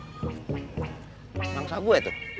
langsah gue tuh